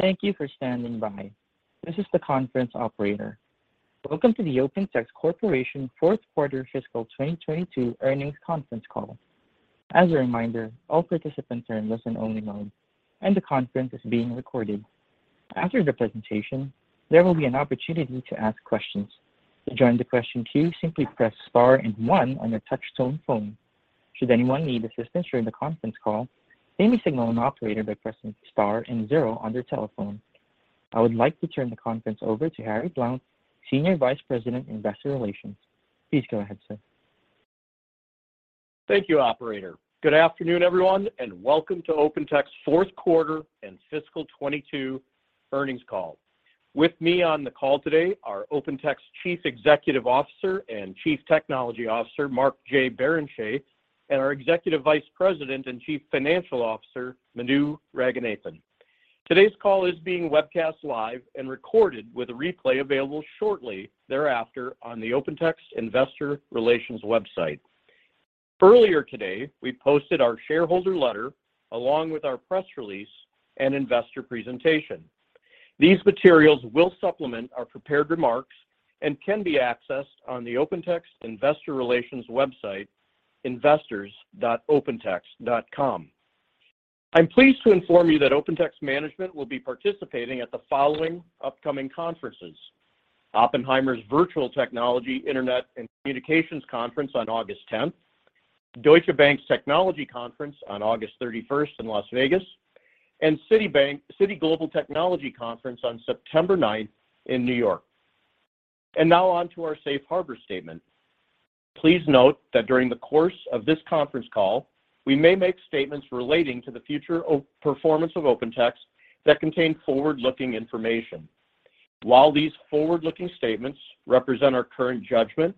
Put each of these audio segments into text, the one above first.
Thank you for standing by. This is the conference operator. Welcome to the OpenText Corporation fourth quarter fiscal 2022 earnings conference call. As a reminder, all participants are in listen-only mode, and the conference is being recorded. After the presentation, there will be an opportunity to ask questions. To join the question queue, simply press star and one on your touch-tone phone. Should anyone need assistance during the conference call, simply signal an operator by pressing star and zero on your telephone. I would like to turn the conference over to Harry Blount, Senior Vice President, Investor Relations. Please go ahead, sir. Thank you, operator. Good afternoon, everyone, and welcome to OpenText fourth quarter and fiscal 2022 earnings call. With me on the call today are OpenText Chief Executive Officer and Chief Technology Officer, Mark J. Barrenechea, and our Executive Vice President and Chief Financial Officer, Madhu Ranganathan. Today's call is being webcast live and recorded with a replay available shortly thereafter on the OpenText Investor Relations website. Earlier today, we posted our shareholder letter along with our press release and investor presentation. These materials will supplement our prepared remarks and can be accessed on the OpenText Investor Relations website, investors.opentext.com. I'm pleased to inform you that OpenText management will be participating at the following upcoming conferences. Oppenheimer's Virtual Technology, Internet & Communications Conference on August 10th, Deutsche Bank's Technology Conference on August 31st in Las Vegas, and Citi Global Technology Conference on September 9th in New York. Now on to our safe harbor statement. Please note that during the course of this conference call, we may make statements relating to the future of performance of OpenText that contain forward-looking information. While these forward-looking statements represent our current judgment,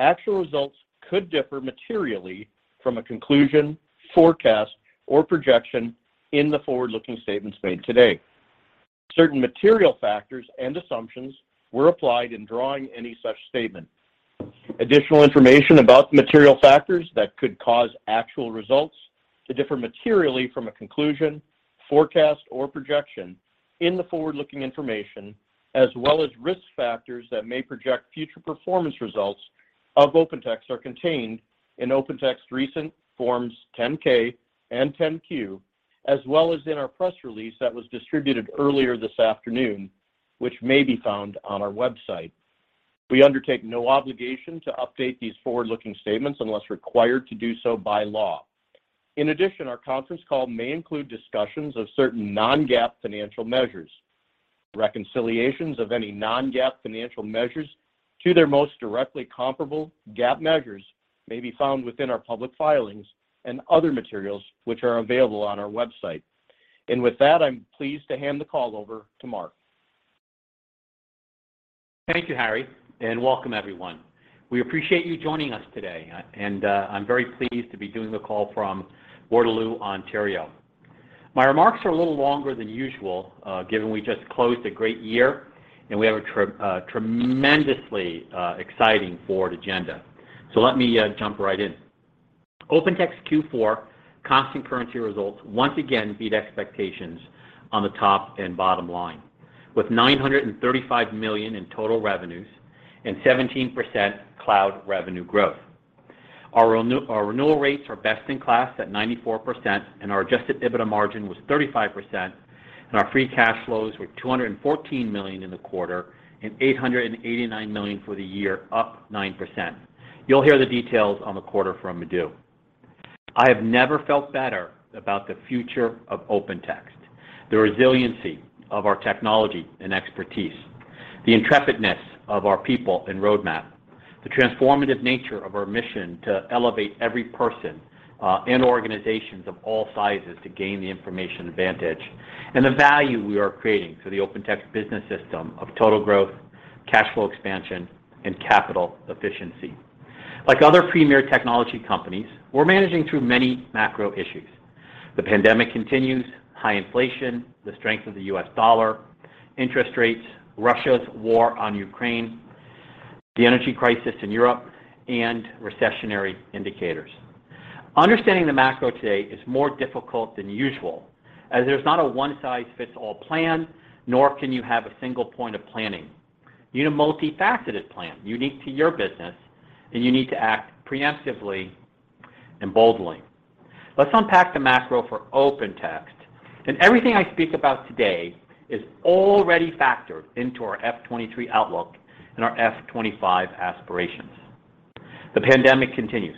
actual results could differ materially from a conclusion, forecast, or projection in the forward-looking statements made today. Certain material factors and assumptions were applied in drawing any such statement. Additional information about the material factors that could cause actual results to differ materially from a conclusion, forecast, or projection in the forward-looking information, as well as risk factors that may project future performance results of OpenText are contained in OpenText's recent Forms 10-K and 10-Q, as well as in our press release that was distributed earlier this afternoon, which may be found on our website. We undertake no obligation to update these forward-looking statements unless required to do so by law. In addition, our conference call may include discussions of certain non-GAAP financial measures. Reconciliations of any non-GAAP financial measures to their most directly comparable GAAP measures may be found within our public filings and other materials, which are available on our website. With that, I'm pleased to hand the call over to Mark. Thank you, Harry, and welcome everyone. We appreciate you joining us today. I'm very pleased to be doing the call from Waterloo, Ontario. My remarks are a little longer than usual, given we just closed a great year and we have a tremendously exciting forward agenda. Let me jump right in. OpenText Q4 constant currency results once again beat expectations on the top and bottom line with $935 million in total revenues and 17% cloud revenue growth. Our renewal rates are best in class at 94%, and our Adjusted EBITDA margin was 35%, and our free cash flows were $214 million in the quarter and $889 million for the year, up 9%. You'll hear the details on the quarter from Madhu. I have never felt better about the future of OpenText. The resiliency of our technology and expertise, the intrepidness of our people and roadmap, the transformative nature of our mission to elevate every person and organizations of all sizes to gain the information advantage, and the value we are creating for the OpenText business system of total growth, cash flow expansion, and capital efficiency. Like other premier technology companies, we're managing through many macro issues. The pandemic continues, high inflation, the strength of the U.S. dollar, interest rates, Russia's war on Ukraine, the energy crisis in Europe, and recessionary indicators. Understanding the macro today is more difficult than usual, as there's not a one-size-fits-all plan, nor can you have a single point of planning. You need a multifaceted plan unique to your business, and you need to act preemptively and boldly. Let's unpack the macro for OpenText. Everything I speak about today is already factored into our FY 2023 outlook and our FY 2025 aspirations. The pandemic continues.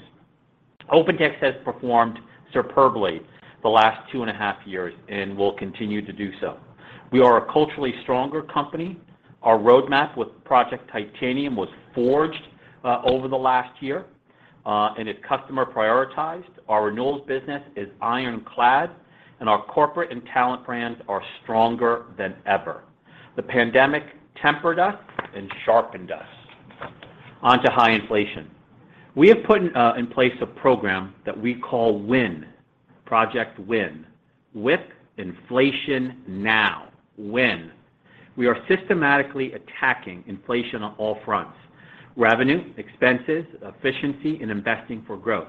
OpenText has performed superbly the last two and a half years and will continue to do so. We are a culturally stronger company. Our roadmap with Project Titanium was forged over the last year and is customer prioritized. Our renewals business is ironclad, and our corporate and talent brands are stronger than ever. The pandemic tempered us and sharpened us. On to high inflation. We have put in place a program that we call WIN, Project WIN, With Inflation Now. We are systematically attacking inflation on all fronts revenue, expenses, efficiency, and investing for growth.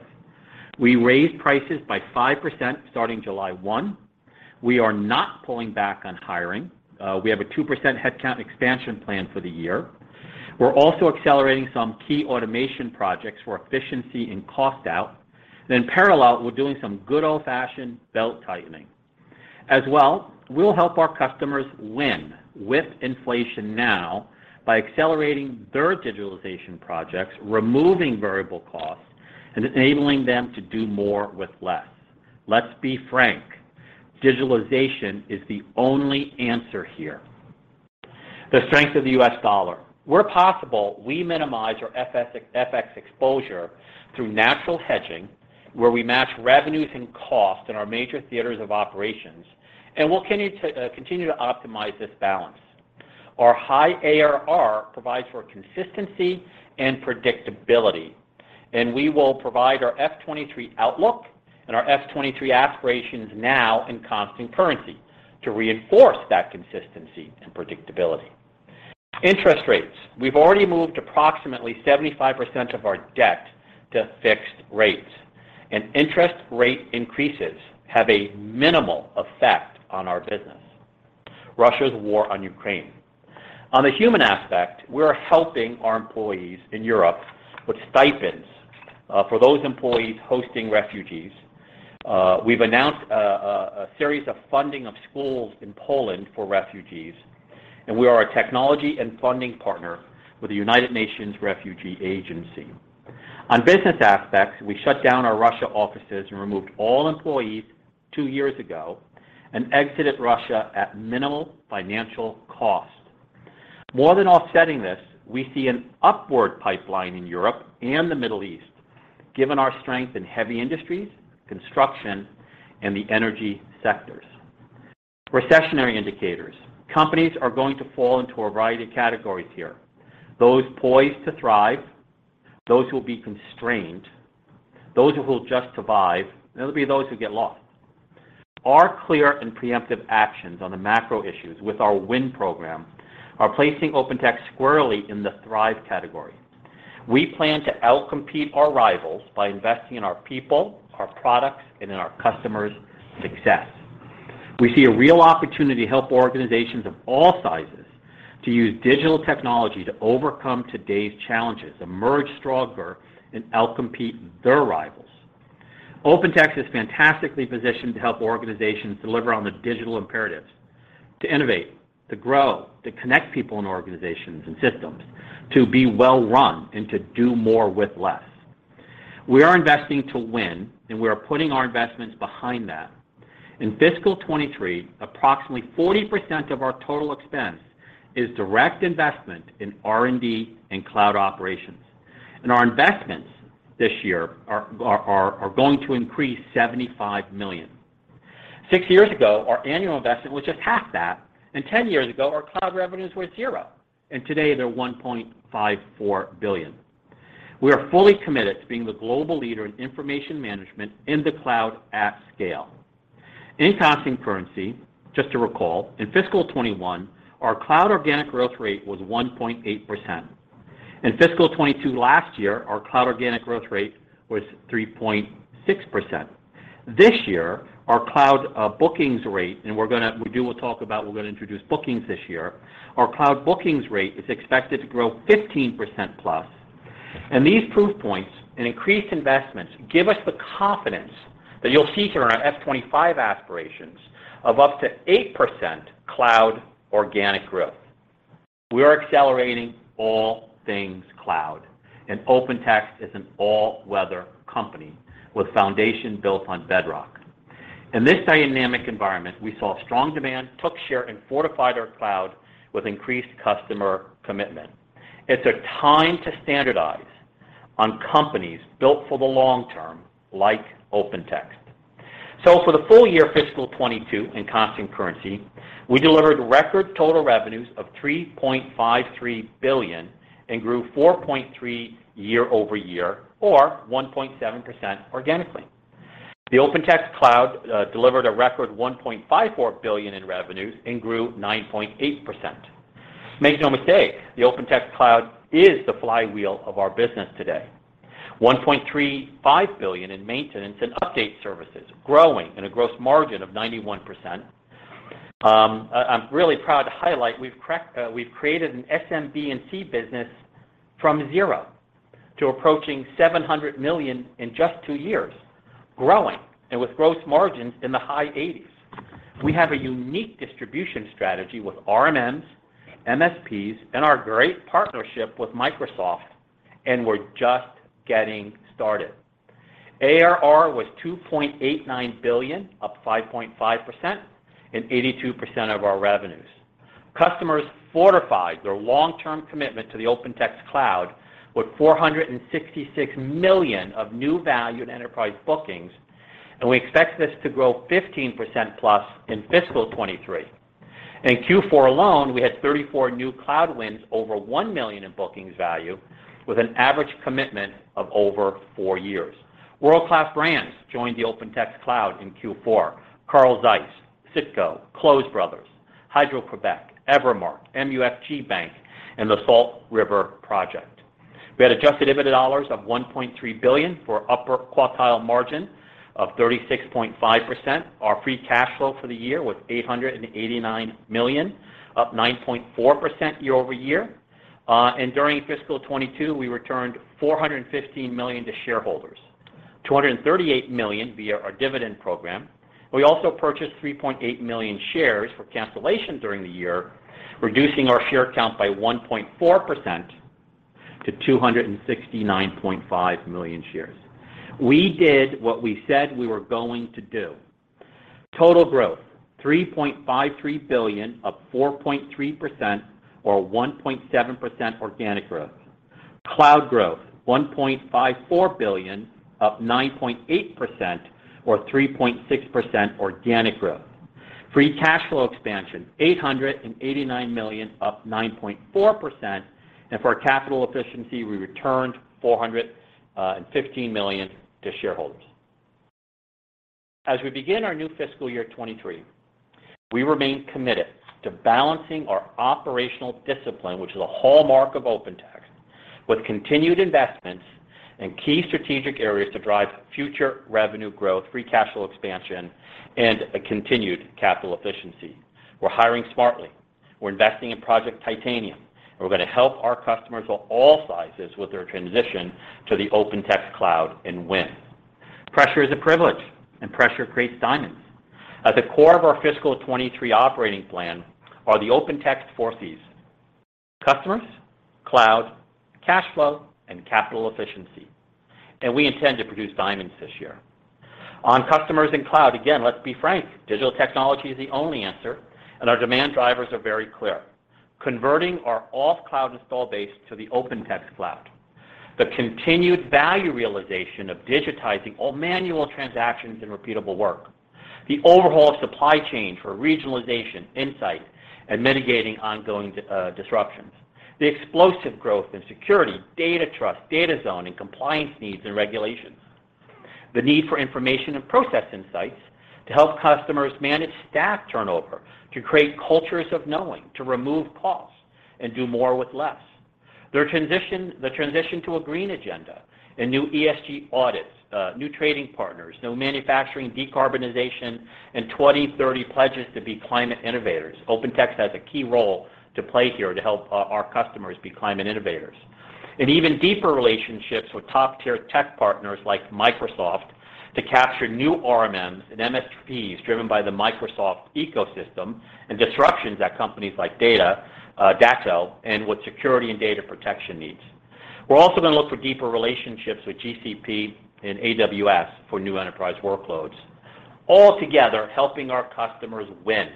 We raise prices by 5% starting July 1. We are not pulling back on hiring. We have a 2% headcount expansion plan for the year. We're also accelerating some key automation projects for efficiency and cost out. Parallel, we're doing some good old-fashioned belt-tightening. As well, we'll help our customers win with inflation now by accelerating their digitalization projects, removing variable costs, and enabling them to do more with less. Let's be frank, digitalization is the only answer here. The strength of the U.S. dollar. Where possible, we minimize our FX exposure through natural hedging, where we match revenues and costs in our major theaters of operations, and we'll continue to optimize this balance. Our high ARR provides for consistency and predictability, and we will provide our F23 outlook and our F23 aspirations now in constant currency to reinforce that consistency and predictability. Interest rates. We've already moved approximately 75% of our debt to fixed rates, and interest rate increases have a minimal effect on our business. Russia's war on Ukraine. On the human aspect, we are helping our employees in Europe with stipends for those employees hosting refugees. We've announced a series of funding of schools in Poland for refugees, and we are a technology and funding partner with the United Nations Refugee Agency. On business aspects, we shut down our Russia offices and removed all employees two years ago and exited Russia at minimal financial cost. More than offsetting this, we see an upward pipeline in Europe and the Middle East, given our strength in heavy industries, construction, and the energy sectors. Recessionary indicators. Companies are going to fall into a variety of categories here. Those poised to thrive, those who will be constrained, those who will just survive, and there'll be those who get lost. Our clear and preemptive actions on the macro issues with our WIN program are placing OpenText squarely in the thrive category. We plan to out-compete our rivals by investing in our people, our products, and in our customers' success. We see a real opportunity to help organizations of all sizes to use digital technology to overcome today's challenges, emerge stronger, and out-compete their rivals. OpenText is fantastically positioned to help organizations deliver on the digital imperatives, to innovate, to grow, to connect people in organizations and systems, to be well run, and to do more with less. We are investing to win, and we are putting our investments behind that. In fiscal 2023, approximately 40% of our total expense is direct investment in R&D and cloud operations. Our investments this year are going to increase $75 million. Six years ago, our annual investment was just half that, and 10 years ago, our cloud revenues were zero, and today they're $1.54 billion. We are fully committed to being the global leader in information management in the cloud at scale. In constant currency, just to recall, in fiscal 2021, our cloud organic growth rate was 1.8%. In fiscal 2022 last year, our cloud organic growth rate was 3.6%. This year, our cloud bookings rate, and we'll talk about. We're going to introduce bookings this year. Our cloud bookings rate is expected to grow 15%+. These proof points and increased investments give us the confidence that you'll see here in our FY 2025 aspirations of up to 8% cloud organic growth. We are accelerating all things cloud, and OpenText is an all-weather company with foundation built on bedrock. In this dynamic environment, we saw strong demand, took share, and fortified our cloud with increased customer commitment. It's a time to standardize on companies built for the long term like OpenText. For the full year fiscal 2022 in constant currency, we delivered record total revenues of $3.53 billion and grew 4.3% year-over-year or 1.7% organically. The OpenText Cloud delivered a record $1.54 billion in revenues and grew 9.8%. Make no mistake, the OpenText Cloud is the flywheel of our business today. $1.35 billion in maintenance and update services, growing with a gross margin of 91%. I'm really proud to highlight we've created an SMB&C business from zero to approaching $700 million in just two years, growing and with gross margins in the high 80s%. We have a unique distribution strategy with RMMs, MSPs, and our great partnership with Microsoft, and we're just getting started. ARR was $2.89 billion, up 5.5% and 82% of our revenues. Customers fortified their long-term commitment to the OpenText Cloud with $466 million of new value in enterprise bookings, and we expect this to grow 15%+ in fiscal 2023. In Q4 alone, we had 34 new cloud wins over $1 million in bookings value with an average commitment of over four years. World-class brands joined the OpenText Cloud in Q4. Carl Zeiss, Cisco, Close Brothers, Hydro-Québec, Evermark, MUFG Bank, and the Salt River Project. We had adjusted EBITDA of $1.3 billion for upper quartile margin of 36.5%. Our free cash flow for the year was $889 million, up 9.4% year-over-year. During fiscal 2022, we returned $415 million to shareholders. $238 million via our dividend program. We also purchased 3.8 million shares for cancellation during the year, reducing our share count by 1.4% to 269.5 million shares. We did what we said we were going to do. Total growth, $3.53 billion of 4.3% or 1.7% organic growth. Cloud growth, $1.54 billion, up 9.8% or 3.6% organic growth. Free cash flow expansion, $889 million, up 9.4%. For our capital efficiency, we returned $415 million to shareholders. As we begin our new fiscal year 2023, we remain committed to balancing our operational discipline, which is a hallmark of OpenText, with continued investments in key strategic areas to drive future revenue growth, free cash flow expansion, and a continued capital efficiency. We're hiring smartly. We're investing in Project Titanium, and we're going to help our customers of all sizes with their transition to the OpenText Cloud and WIN. Pressure is a privilege, and pressure creates diamonds. At the core of our fiscal 2023 operating plan are the OpenText four Cs, customers, cloud, cash flow, and capital efficiency. We intend to produce diamonds this year. On customers and cloud, again, let's be frank. Digital technology is the only answer, and our demand drivers are very clear. Converting our off-cloud install base to the OpenText Cloud. The continued value realization of digitizing all manual transactions and repeatable work. The overhaul of supply chain for regionalization, insight, and mitigating ongoing disruptions. The explosive growth in security, data trust, data zone, and compliance needs and regulations. The need for information and process insights to help customers manage staff turnover, to create cultures of knowing, to remove costs and do more with less. The transition to a green agenda and new ESG audits, new trading partners, new manufacturing, decarbonization, and 2030 pledges to be climate innovators. OpenText has a key role to play here to help our customers be climate innovators. Even deeper relationships with top-tier tech partners like Microsoft to capture new RMMs and MSPs driven by the Microsoft ecosystem and disruptions at companies like Datto, and with security and data protection needs. We're also going to look for deeper relationships with GCP and AWS for new enterprise workloads, all together helping our customers win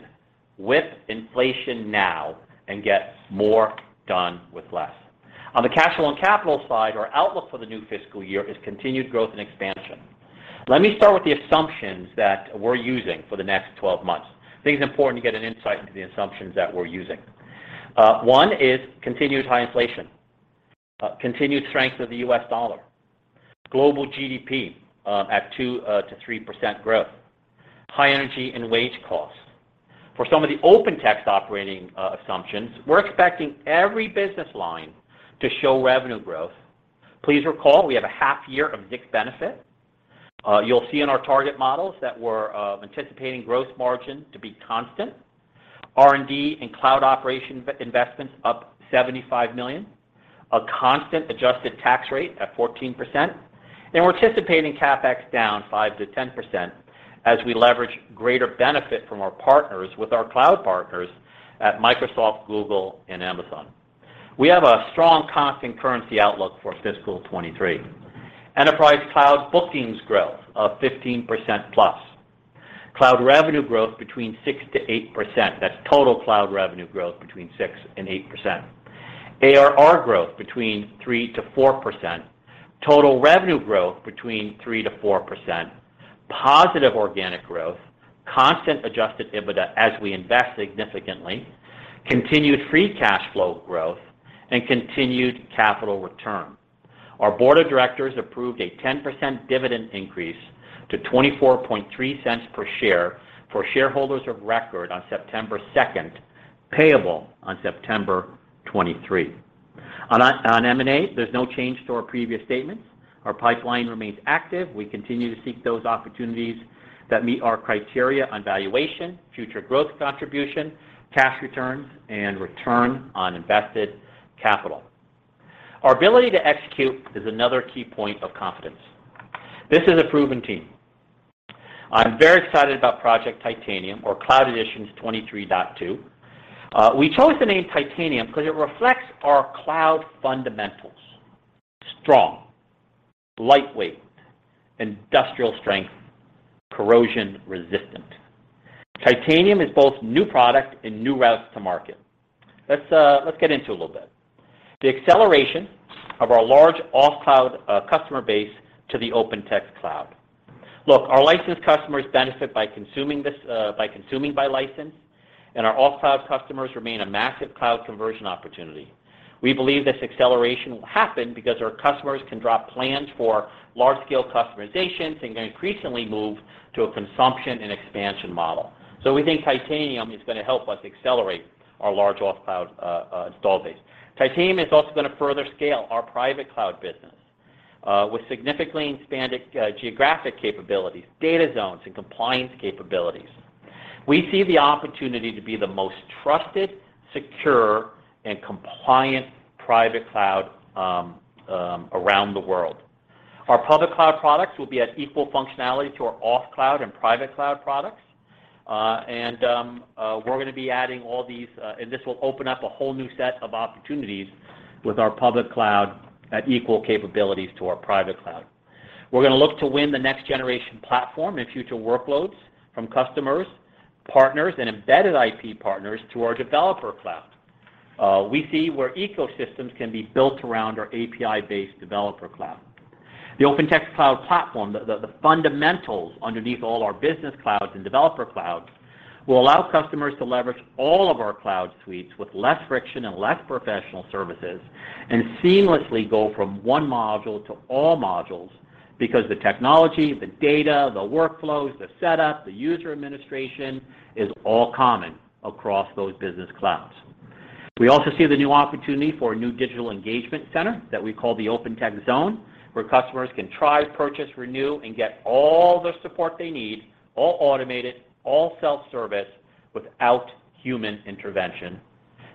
with inflation now and get more done with less. On the cash flow and capital side, our outlook for the new fiscal year is continued growth and expansion. Let me start with the assumptions that we're using for the next 12 months. I think it's important to get an insight into the assumptions that we're using. One is continued high inflation, continued strength of the U.S. dollar, global GDP at 2%-3% growth, high energy and wage costs. For some of the OpenText operating assumptions, we're expecting every business line to show revenue growth. Please recall we have a half year of Zix benefit. You'll see in our target models that we're anticipating growth margin to be constant. R&D and cloud operation investments up $75 million. A constant adjusted tax rate at 14%. We're anticipating CapEx down 5%-10% as we leverage greater benefit from our partners with our cloud partners at Microsoft, Google, and Amazon. We have a strong constant currency outlook for fiscal 2023. Enterprise cloud bookings growth of 15%+. Cloud revenue growth between 6%-8%. That's total cloud revenue growth between 6% and 8%. ARR growth between 3%-4%. Total revenue growth between 3%-4%. Positive organic growth. Constant adjusted EBITDA as we invest significantly. Continued free cash flow growth and continued capital return. Our board of directors approved a 10% dividend increase to $0.243 per share for shareholders of record on September second, payable on September 23. On M&A, there's no change to our previous statements. Our pipeline remains active. We continue to seek those opportunities that meet our criteria on valuation, future growth contribution, cash returns, and return on invested capital. Our ability to execute is another key point of confidence. This is a proven team. I'm very excited about Project Titanium or Cloud Editions 23.2. We chose the name Titanium because it reflects our cloud fundamentals. Strong, lightweight, industrial strength, corrosion resistant. Titanium is both new product and new routes to market. Let's get into a little bit. The acceleration of our large off-cloud customer base to the OpenText Cloud. Look, our licensed customers benefit by consuming this by license, and our off-cloud customers remain a massive cloud conversion opportunity. We believe this acceleration will happen because our customers can draw plans for large-scale customizations and can increasingly move to a consumption and expansion model. We think Titanium is going to help us accelerate our large off-cloud install base. Titanium is also going to further scale our private cloud business with significantly expanded geographic capabilities, data zones, and compliance capabilities. We see the opportunity to be the most trusted, secure, and compliant private cloud around the world. Our public cloud products will be at equal functionality to our off-cloud and private cloud products, and we're going to be adding all these. This will open up a whole new set of opportunities with our public cloud at equal capabilities to our private cloud. We're going to look to win the next-generation platform and future workloads from customers, partners, and embedded IP partners to our developer cloud. We see where ecosystems can be built around our API-based developer cloud. The OpenText Cloud Platform, the fundamentals underneath all our business clouds and developer clouds will allow customers to leverage all of our cloud suites with less friction and less professional services and seamlessly go from one module to all modules because the technology, the data, the workflows, the setup, the user administration is all common across those business clouds. We also see the new opportunity for a new digital engagement center that we call the OpenText Zone, where customers can try, purchase, renew, and get all the support they need, all automated, all self-service, without human intervention.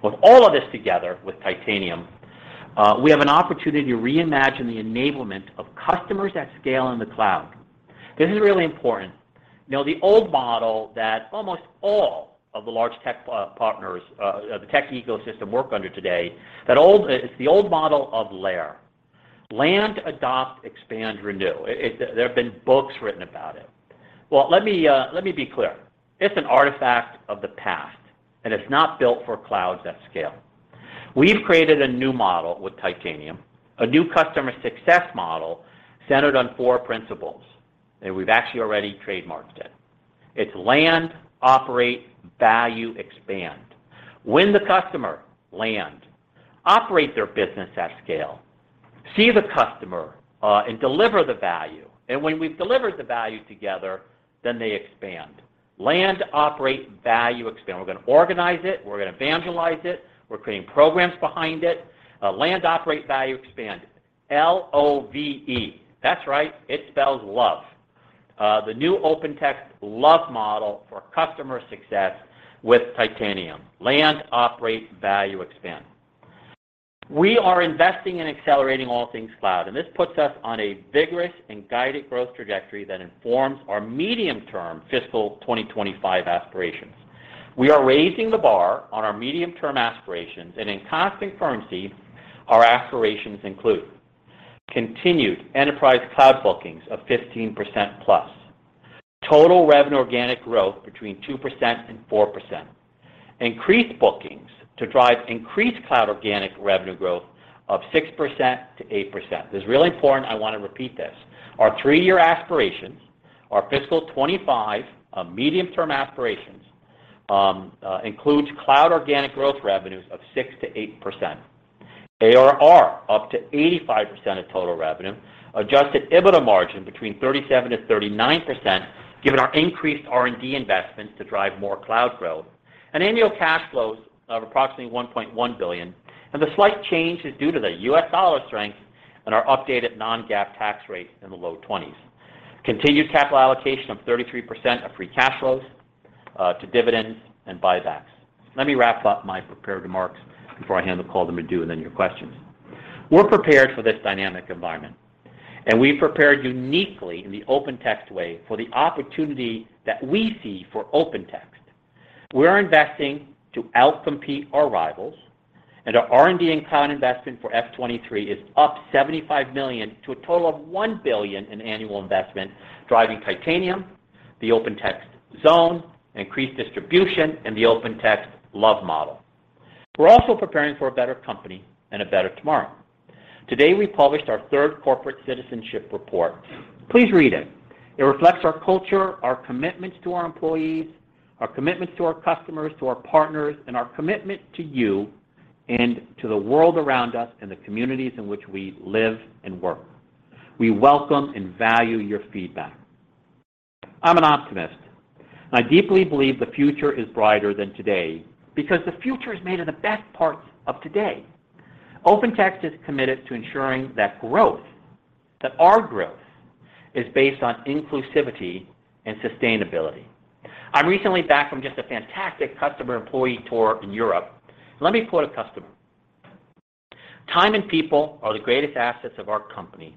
With all of this together with Titanium, we have an opportunity to reimagine the enablement of customers at scale in the cloud. This is really important. You know, the old model that almost all of the large tech partners, the tech ecosystem work under today, that old, it's the old model of LAER, land, adopt, expand, renew. It. There have been books written about it. Well, let me be clear. It's an artifact of the past, and it's not built for clouds at scale. We've created a new model with Titanium, a new customer success model centered on four principles, and we've actually already trademarked it. It's land, operate, value, expand. Win the customer, land, operate their business at scale, see the customer, and deliver the value, and when we've delivered the value together, then they expand. Land, operate, value, expand. We're going to organize it. We're going to evangelize it. We're creating programs behind it. Land, operate, value, expand. L-O-V-E. That's right. It spells love. The new OpenText love model for customer success with Titanium. Land, operate, value, expand. We are investing in accelerating all things cloud, and this puts us on a vigorous and guided growth trajectory that informs our medium-term fiscal 2025 aspirations. We are raising the bar on our medium-term aspirations, and in constant currency, our aspirations include continued enterprise cloud bookings of 15%+, total revenue organic growth between 2% and 4%, increased bookings to drive increased cloud organic revenue growth of 6%-8%. This is really important. I want to repeat this. Our three-year aspirations, our fiscal 2025 medium-term aspirations, includes cloud organic growth revenues of 6%-8%, ARR up to 85% of total revenue, adjusted EBITDA margin between 37%-39%, given our increased R&D investments to drive more cloud growth, and annual cash flows of approximately $1.1 billion, and the slight change is due to the U.S. dollar strength and our updated non-GAAP tax rate in the low 20s. Continued capital allocation of 33% of free cash flows to dividends and buybacks. Let me wrap up my prepared remarks before I hand the call to Madhu and then your questions. We're prepared for this dynamic environment, and we've prepared uniquely in the OpenText way for the opportunity that we see for OpenText. We're investing to outcompete our rivals, and our R&D and cloud investment for FY 2023 is up $75 million to a total of $1 billion in annual investment, driving Titanium, the OpenText Zone, increased distribution, and the OpenText LOVE model. We're also preparing for a better company and a better tomorrow. Today, we published our third corporate citizenship report. Please read it. It reflects our culture, our commitments to our employees, our commitments to our customers, to our partners, and our commitment to you and to the world around us and the communities in which we live and work. We welcome and value your feedback. I'm an optimist, and I deeply believe the future is brighter than today because the future is made of the best parts of today. OpenText is committed to ensuring that growth, that our growth, is based on inclusivity and sustainability. I'm recently back from just a fantastic customer employee tour in Europe. Let me quote a customer. "Time and people are the greatest assets of our company,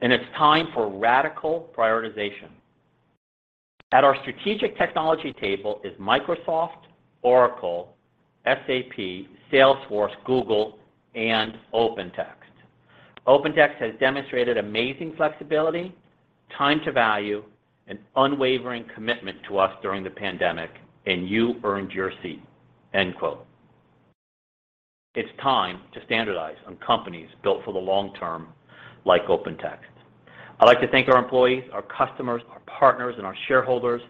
and it's time for radical prioritization. At our strategic technology table is Microsoft, Oracle, SAP, Salesforce, Google, and OpenText. OpenText has demonstrated amazing flexibility, time to value, and unwavering commitment to us during the pandemic, and you earned your seat." End quote. It's time to standardize on companies built for the long term like OpenText. I'd like to thank our employees, our customers, our partners, and our shareholders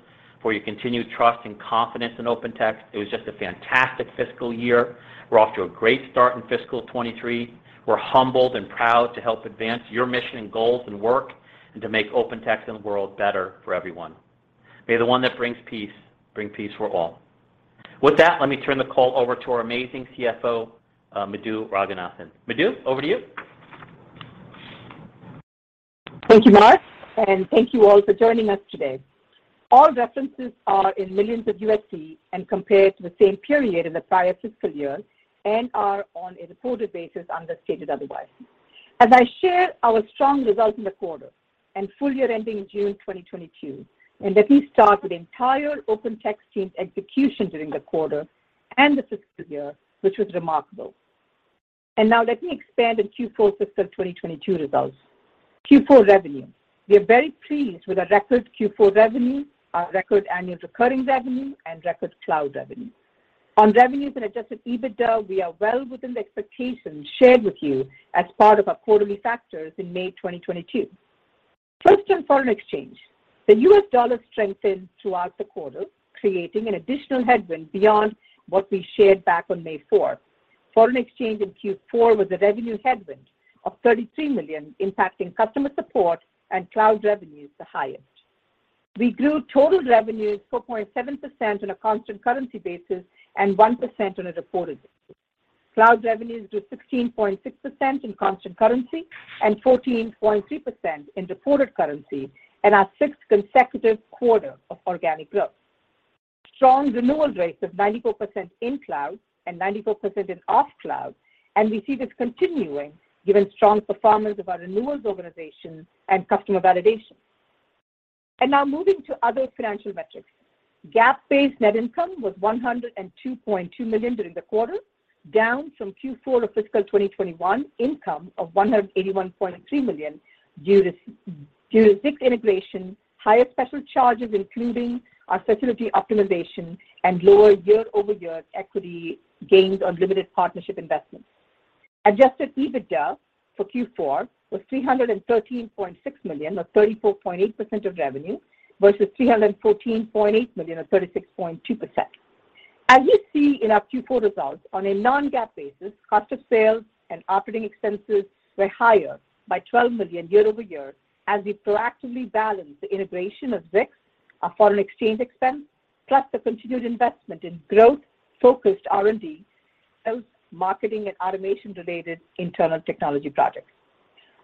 for your continued trust and confidence in OpenText. It was just a fantastic fiscal year. We're off to a great start in fiscal 2023. We're humbled and proud to help advance your mission and goals and work and to make OpenText and the world better for everyone. May the one that brings peace, bring peace for all. With that, let me turn the call over to our amazing CFO, Madhu Ranganathan. Madhu, over to you. Thank you, Mark, and thank you all for joining us today. All references are in millions of $ and compared to the same period in the prior fiscal year and are on a reported basis unless otherwise stated. As I share our strong results in the quarter and full year ending in June 2022, let me start with the entire OpenText team's execution during the quarter and the fiscal year, which was remarkable. Now let me expand on Q4 fiscal 2022 results. Q4 revenue. We are very pleased with our record Q4 revenue, our record annual recurring revenue, and record cloud revenue. On revenues and Adjusted EBITDA, we are well within the expectations shared with you as part of our quarterly forecast in May 2022. First, in foreign exchange. The U.S. dollar strengthened throughout the quarter, creating an additional headwind beyond what we shared back on May 4th. Foreign exchange in Q4 was a revenue headwind of $33 million, impacting customer support and cloud revenues the highest. We grew total revenues 4.7% on a constant currency basis and 1% on a reported basis. Cloud revenues grew 16.6% in constant currency and 14.3% in reported currency and our 6th consecutive quarter of organic growth. Strong renewal rates of 94% in cloud and 94% in off cloud, and we see this continuing given strong performance of our renewals organization and customer validation. Now moving to other financial metrics. GAAP-based net income was $102.2 million during the quarter, down from Q4 of fiscal 2021 income of $181.3 million due to Zix integration, higher special charges, including our facility optimization and lower year-over-year equity gains on limited partnership investments. Adjusted EBITDA for Q4 was $313.6 million, or 34.8% of revenue, versus $314.8 million, or 36.2%. As you see in our Q4 results, on a non-GAAP basis, cost of sales and operating expenses were higher by $12 million year-over-year as we proactively balanced the integration of Zix, our foreign exchange expense, plus the continued investment in growth-focused R&D, sales, marketing, and automation-related internal technology projects.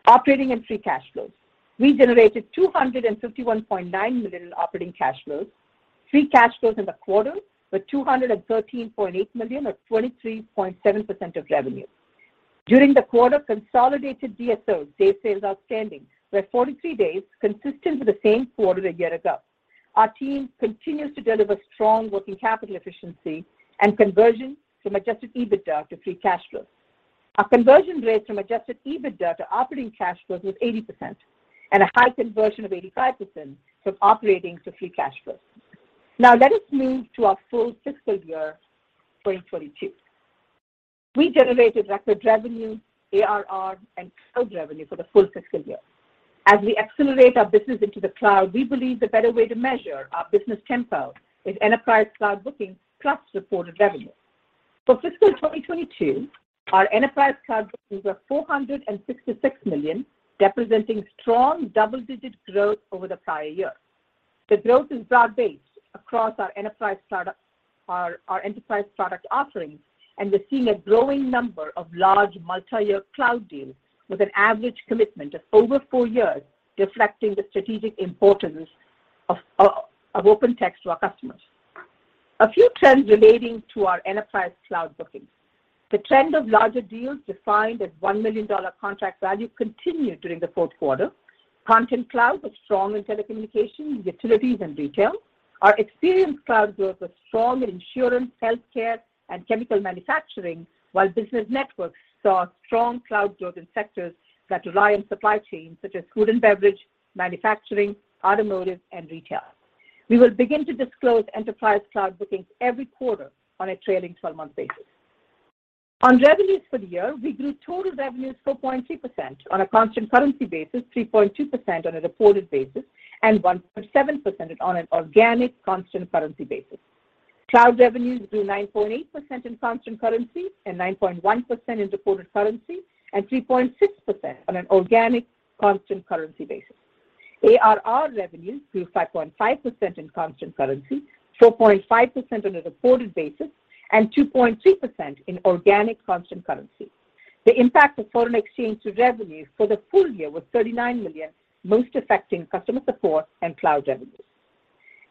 Operating and free cash flows. We generated $251.9 million in operating cash flows. Free cash flows in the quarter were $213.8 million, or 23.7% of revenue. During the quarter, consolidated DSO, day sales outstanding, were 43 days, consistent with the same quarter a year ago. Our team continues to deliver strong working capital efficiency and conversion from adjusted EBITDA to free cash flows. Our conversion rate from adjusted EBITDA to operating cash flows was 80% and a high conversion of 85% from operating to free cash flows. Now let us move to our full fiscal year 2022. We generated record revenue, ARR, and cloud revenue for the full fiscal year. As we accelerate our business into the cloud, we believe the better way to measure our business tempo is enterprise cloud bookings plus supported revenue. For fiscal 2022, our enterprise cloud bookings were $466 million, representing strong double-digit growth over the prior year. The growth is broad-based across our enterprise product offerings, and we're seeing a growing number of large multi-year cloud deals with an average commitment of over four years, reflecting the strategic importance of OpenText to our customers. A few trends relating to our enterprise cloud bookings. The trend of larger deals defined as $1 million contract value continued during the fourth quarter. Content Cloud was strong in telecommunications, utilities, and retail. Our Experience Cloud grew with strong insurance, healthcare, and chemical manufacturing, while Business Network saw strong cloud growth in sectors that rely on supply chain, such as food and beverage, manufacturing, automotive, and retail. We will begin to disclose enterprise cloud bookings every quarter on a trailing 12-month basis. On revenues for the year, we grew total revenues 4.2% on a constant currency basis, 3.2% on a reported basis, and 1.7% on an organic constant currency basis. Cloud revenues grew 9.8% in constant currency and 9.1% in reported currency and 3.6% on an organic constant currency basis. ARR revenue grew 5.5% in constant currency, 4.5% on a reported basis, and 2.3% in organic constant currency. The impact of foreign exchange to revenues for the full year was $39 million, most affecting customer support and cloud revenues.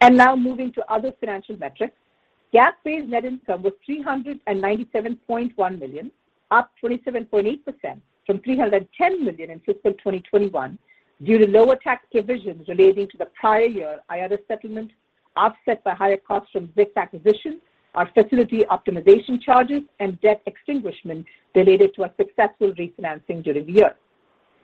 Now moving to other financial metrics. GAAP-based net income was $397.1 million, up 27.8% from $310 million in fiscal 2021 due to lower tax provisions relating to the prior year IADA settlement, offset by higher costs from Zix acquisition, our facility optimization charges, and debt extinguishment related to our successful refinancing during the year.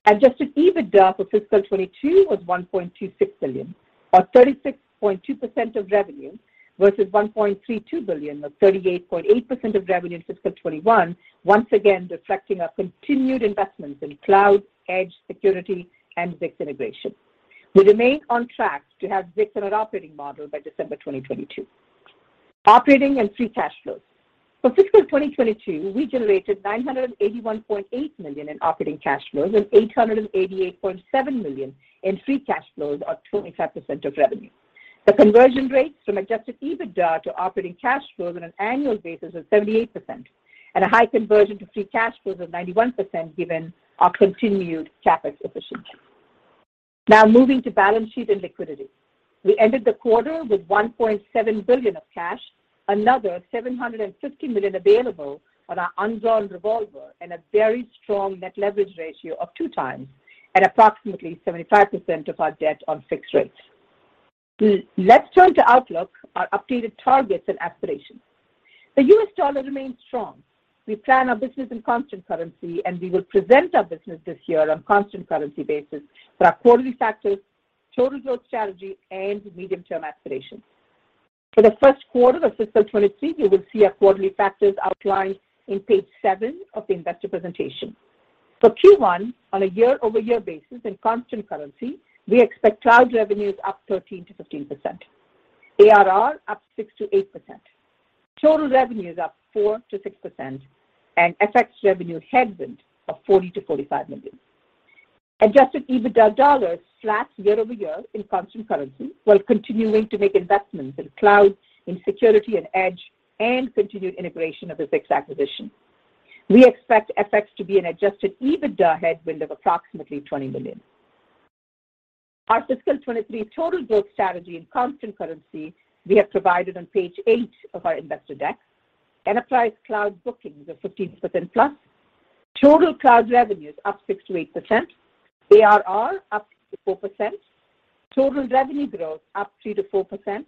Adjusted EBITDA for fiscal 2022 was $1.26 billion, or 36.2% of revenue, versus $1.32 billion, or 38.8% of revenue in fiscal 2021. Once again, reflecting our continued investments in cloud, edge, security, and Zix integration. We remain on track to have Zix on an operating model by December 2022. Operating and free cash flows. For fiscal 2022, we generated $981.8 million in operating cash flows and $888.7 million in free cash flows, or 25% of revenue. The conversion rates from adjusted EBITDA to operating cash flows on an annual basis was 78%, and a high conversion to free cash flows of 91%, given our continued CapEx efficiency. Now moving to balance sheet and liquidity. We ended the quarter with $1.7 billion of cash, another $750 million available on our undrawn revolver and a very strong net leverage ratio of 2x and approximately 75% of our debt on fixed rates. Let's turn to outlook, our updated targets and aspirations. The U.S. dollar remains strong. We plan our business in constant currency, and we will present our business this year on constant currency basis for our quarterly factors, total growth strategy, and medium-term aspirations. For the first quarter of fiscal 2023, you will see our quarterly factors outlined in page seven of the investor presentation. For Q1, on a year-over-year basis in constant currency, we expect cloud revenues up 13%-15%. ARR up 6%-8%. Total revenues up 4%-6%, and FX revenue headwind of $40 million-$45 million. Adjusted EBITDA dollars flat year over year in constant currency, while continuing to make investments in cloud, in security and edge, and continued integration of the Zix acquisition. We expect FX to be an adjusted EBITDA headwind of approximately $20 million. Our fiscal 2023 total growth strategy in constant currency we have provided on page eight of our investor deck. Enterprise cloud bookings of 15%+. Total cloud revenues up 6%-8%. ARR up to 4%. Total revenue growth up 3%-4%.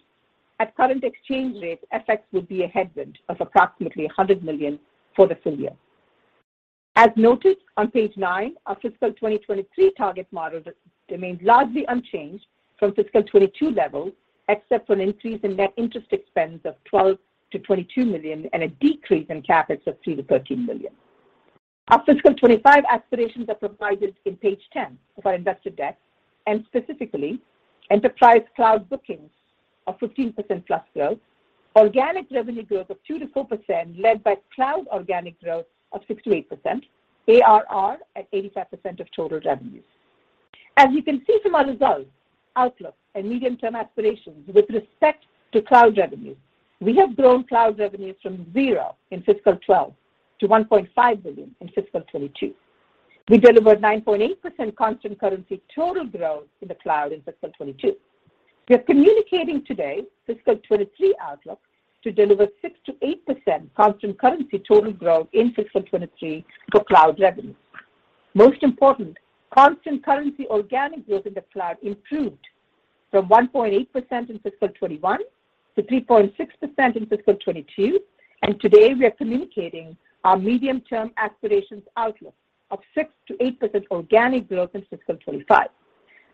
At current exchange rate, FX will be a headwind of approximately $100 million for the full year. As noted on page nine, our fiscal 2023 target model remains largely unchanged from fiscal 2022 levels, except for an increase in net interest expense of $12 million-$22 million and a decrease in CapEx of $3 million-$13 million. Our fiscal 2025 aspirations are provided in page 10 of our investor deck, and specifically enterprise cloud bookings of 15%+ growth, organic revenue growth of 2%-4% led by cloud organic growth of 6%-8%, ARR at 85% of total revenues. As you can see from our results, outlook, and medium-term aspirations with respect to cloud revenue, we have grown cloud revenues from 0 in fiscal 2012 to $1.5 billion in fiscal 2022. We delivered 9.8% constant currency total growth in the cloud in fiscal 2022. We are communicating today fiscal 2023 outlook to deliver 6%-8% constant currency total growth in fiscal 2023 for cloud revenue. Most important, constant currency organic growth in the cloud improved from 1.8% in fiscal 2021 to 3.6% in fiscal 2022. Today, we are communicating our medium-term aspirations outlook of 6%-8% organic growth in fiscal 2025.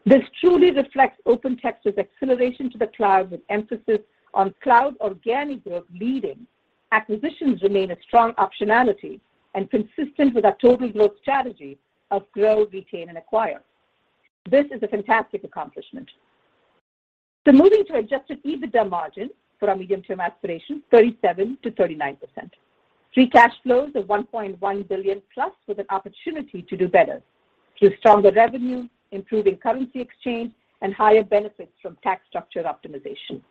This truly reflects OpenText's acceleration to the cloud with emphasis on cloud organic growth leading. Acquisitions remain a strong optionality and consistent with our total growth strategy of grow, retain, and acquire. This is a fantastic accomplishment. Moving to Adjusted EBITDA margin for our medium-term aspiration, 37%-39%. Free cash flow of $1.1 billion+ with an opportunity to do better through stronger revenue, improving currency exchange, and higher benefits from tax structure optimization.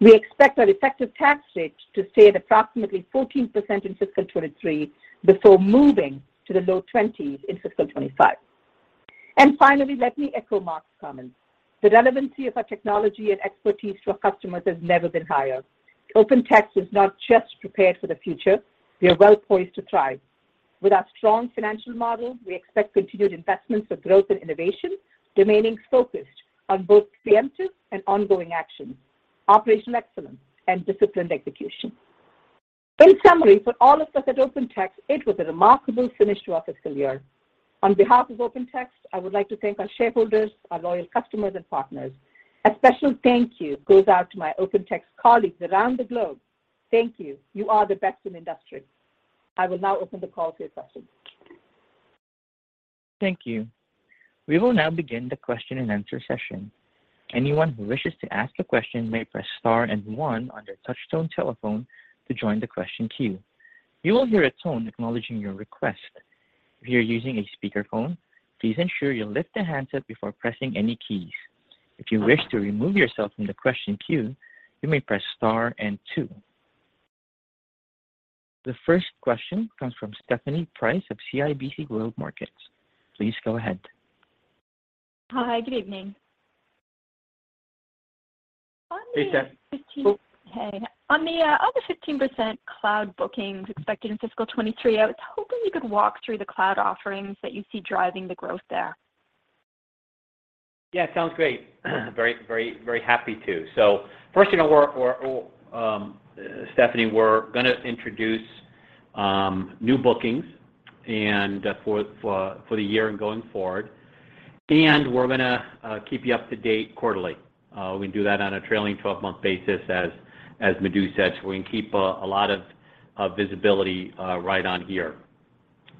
We expect our effective tax rate to stay at approximately 14% in fiscal 2023 before moving to the low 20s in fiscal 2025. Finally, let me echo Mark's comments. The relevancy of our technology and expertise for customers has never been higher. OpenText is not just prepared for the future, we are well poised to thrive. With our strong financial model, we expect continued investments for growth and innovation, remaining focused on both preemptive and ongoing actions, operational excellence, and disciplined execution. In summary, for all of us at OpenText, it was a remarkable finish to our fiscal year. On behalf of OpenText, I would like to thank our shareholders, our loyal customers and partners. A special thank you goes out to my OpenText colleagues around the globe. Thank you. You are the best in industry. I will now open the call to your questions. Thank you. We will now begin the question and answer session. Anyone who wishes to ask a question may press star and one on their touch tone telephone to join the question queue. You will hear a tone acknowledging your request. If you're using a speakerphone, please ensure you lift the handset before pressing any keys. If you wish to remove yourself from the question queue, you may press star and two. The first question comes from Stephanie Price of CIBC World Markets. Please go ahead. Hi. Good evening. Hey, Steph. On the 15% cloud bookings expected in fiscal 2023, I was hoping you could walk through the cloud offerings that you see driving the growth there. Yeah, it sounds great. Very happy to. First, you know, Stephanie, we're gonna introduce new bookings and for the year and going forward. We're gonna keep you up to date quarterly. We do that on a trailing twelve-month basis as Madhu said, so we can keep a lot of visibility right on here.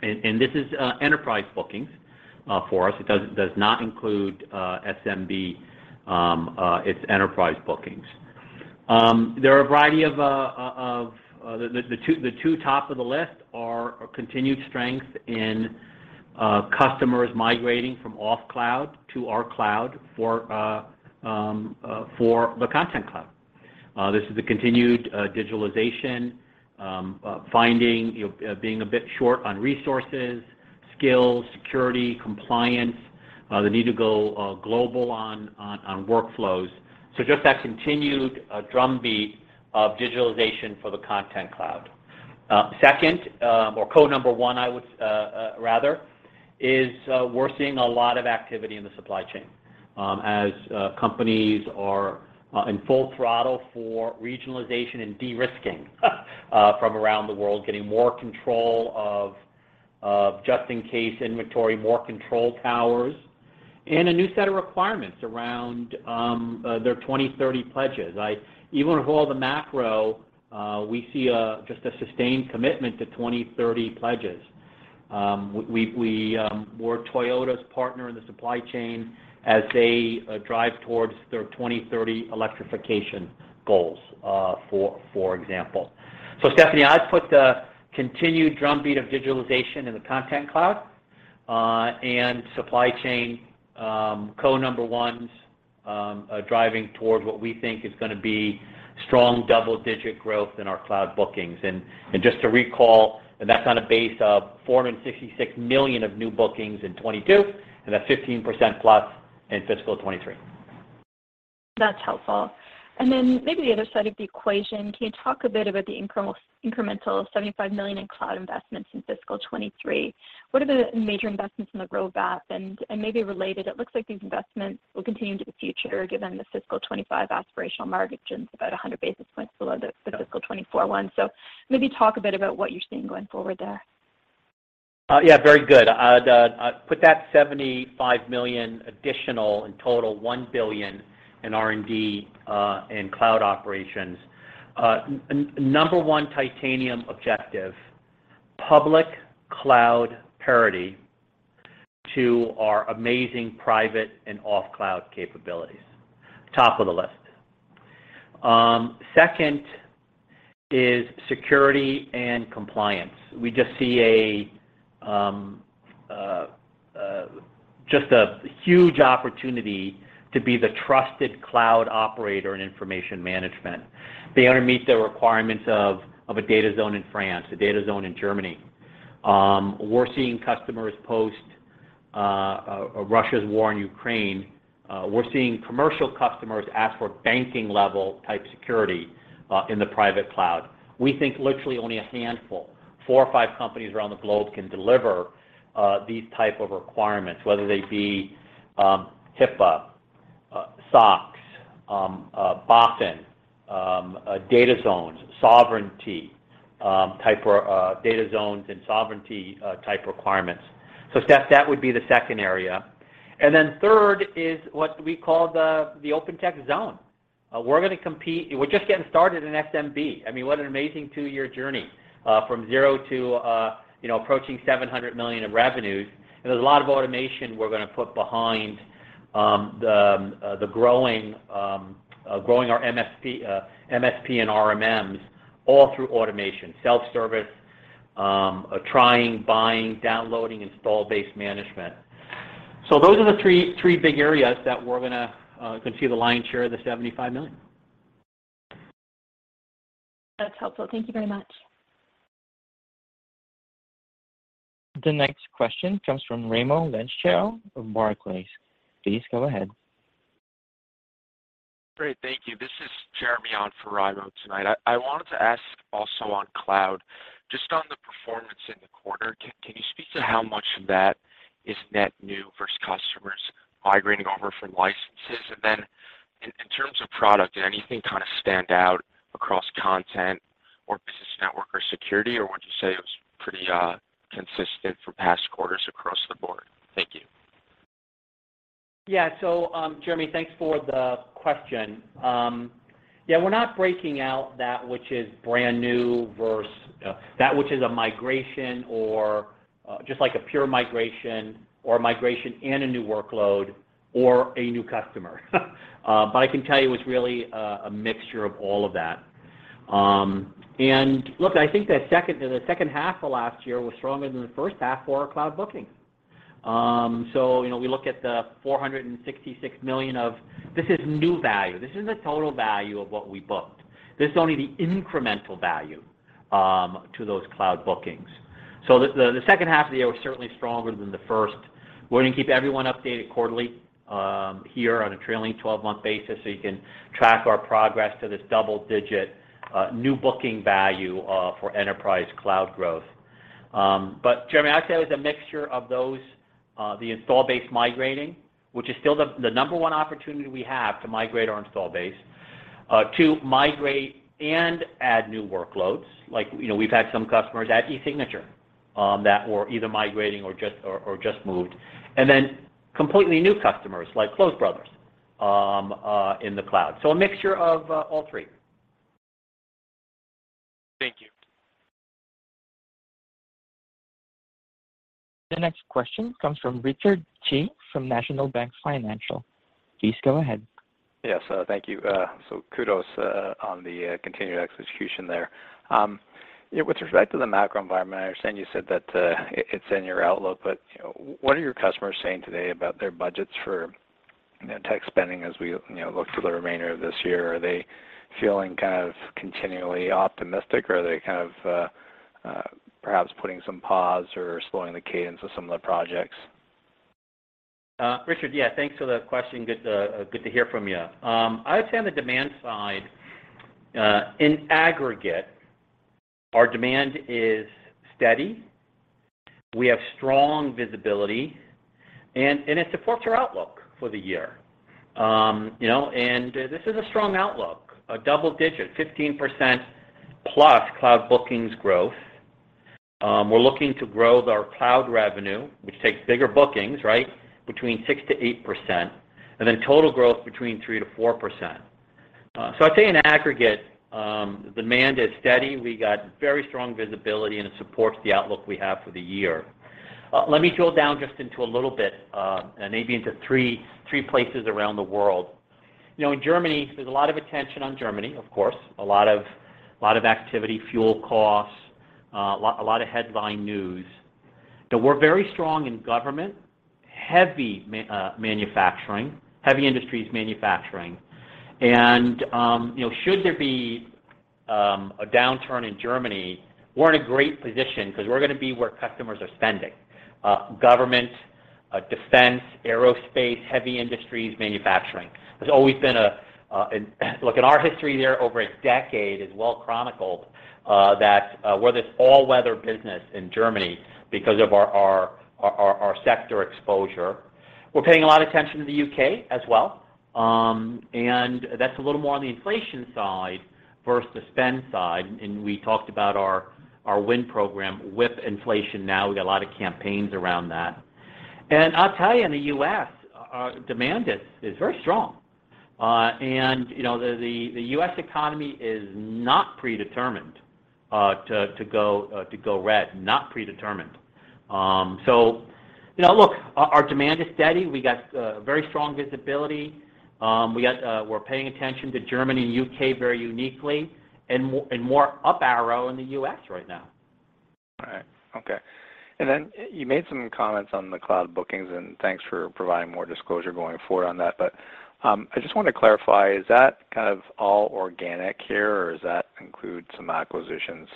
This is enterprise bookings for us. It does not include SMB. It's enterprise bookings. There are a variety of the two top of the list are a continued strength in customers migrating from off cloud to our cloud for the Content Cloud. This is a continued digitalization finding, you know, being a bit short on resources, skills, security, compliance, the need to go global on workflows. Just that continued drumbeat of digitalization for the Content Cloud. Second, our core number one is we're seeing a lot of activity in the supply chain, as companies are in full throttle for regionalization and de-risking from around the world, getting more control of just-in-case inventory, more control towers, and a new set of requirements around their 2030 pledges. Even with all the macro, we see just a sustained commitment to 2030 pledges. We're Toyota's partner in the supply chain as they drive towards their 2030 electrification goals, for example. Stephanie, I'd put the continued drumbeat of digitalization in the Content Cloud and supply chain core number ones driving towards what we think is gonna be strong double-digit growth in our cloud bookings. Just to recall, that's on a base of $466 million of new bookings in 2022, and that's 15% plus in fiscal 2023. That's helpful. Maybe the other side of the equation, can you talk a bit about the incremental $75 million in cloud investments in fiscal 2023? What are the major investments in the growth path? Maybe related, it looks like these investments will continue into the future, given the fiscal 2025 aspirational margins about 100 basis points below the fiscal 2024 one. Maybe talk a bit about what you're seeing going forward there. Yeah, very good. I'd put that $75 million additional in total $1 billion in R&D in cloud operations. Number one Titanium objective, public cloud parity to our amazing private and off cloud capabilities. Top of the list. Second is security and compliance. We just see a huge opportunity to be the trusted cloud operator in information management. They wanna meet the requirements of a data zone in France, a data zone in Germany. We're seeing customers post Russia's war in Ukraine. We're seeing commercial customers ask for banking-level type security in the private cloud. We think literally only a handful, four or five companies around the globe can deliver these type of requirements, whether they be HIPAA, SOX, BaFin, data zones and sovereignty type requirements. Steph, that would be the second area. Then third is what we call the OpenText zone. We're just getting started in SMB. I mean, what an amazing two-year journey from zero to, you know, approaching $700 million of revenues. There's a lot of automation we're gonna put behind the growing our MSP and RMMs all through automation, self-service trying, buying, downloading, install-based management. Those are the three big areas that we're gonna see the lion's share of the $75 million. That's helpful. Thank you very much. The next question comes from Raimo Lenschow of Barclays. Please go ahead. Great. Thank you. This is Jeremy on for Raimo tonight. I wanted to ask also on cloud, just on the performance in the quarter, can you speak to how much of that is net new versus customers migrating over from licenses? And then in terms of product, did anything kind of stand out across content or business network or security, or would you say it was pretty consistent for past quarters across the board? Thank you. Yeah. Jeremy, thanks for the question. Yeah, we're not breaking out that which is brand new versus that which is a migration or just like a pure migration or a migration and a new workload or a new customer. I can tell you it's really a mixture of all of that. Look, I think the second half of last year was stronger than the first half for our cloud bookings. You know, we look at the $466 million of new value. This isn't the total value of what we booked. This is only the incremental value to those cloud bookings. The second half of the year was certainly stronger than the first. We're gonna keep everyone updated quarterly, here on a trailing twelve-month basis, so you can track our progress to this double-digit new booking value for enterprise cloud growth. Jeremy, I'd say it was a mixture of those, the install base migrating, which is still the number one opportunity we have to migrate our install base, to migrate and add new workloads. Like, you know, we've had some customers add e-signature, that were either migrating or just moved. Completely new customers, like Close Brothers, in the cloud. A mixture of all three. Thank you. The next question comes from Richard Tse from National Bank Financial. Please go ahead. Yes. Thank you. Kudos on the continued execution there. Yeah, with respect to the macro environment, I understand you said that it's in your outlook, but, you know, what are your customers saying today about their budgets for, you know, tech spending as we, you know, look to the remainder of this year? Are they feeling kind of continually optimistic, or are they kind of, perhaps putting some pause or slowing the cadence of some of the projects? Richard, yeah. Thanks for the question. Good to hear from you. I'd say on the demand side, in aggregate, our demand is steady. We have strong visibility, and it supports our outlook for the year. You know, this is a strong outlook, double-digit 15%+ cloud bookings growth. We're looking to grow our cloud revenue, which takes bigger bookings, right, between 6%-8%, and then total growth between 3%-4%. I'd say in aggregate, demand is steady. We got very strong visibility, and it supports the outlook we have for the year. Let me drill down just into a little bit, maybe into three places around the world. You know, in Germany, there's a lot of attention on Germany, of course, a lot of activity, fuel costs, a lot of headline news. We're very strong in government, heavy manufacturing, heavy industries manufacturing. Should there be a downturn in Germany, we're in a great position because we're gonna be where customers are spending, government, defense, aerospace, heavy industries, manufacturing. It's always been a. Look, in our history there over a decade is well chronicled, that we're this all-weather business in Germany because of our sector exposure. We're paying a lot of attention to the U.K. as well. That's a little more on the inflation side versus spend side. We talked about our WIN program with inflation now. We got a lot of campaigns around that. I'll tell you, in the U.S., our demand is very strong. The U.S. economy is not predetermined to go red. Our demand is steady. We got very strong visibility. We're paying attention to Germany and the U.K. very uniquely and more up arrow in the U.S. right now. All right. Okay. You made some comments on the cloud bookings, and thanks for providing more disclosure going forward on that. I just want to clarify, is that kind of all organic here, or does that include some acquisitions?